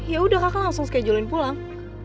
ya udah kakak langsung schedule in pulang